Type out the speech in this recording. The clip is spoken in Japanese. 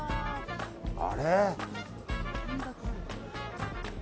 あれ？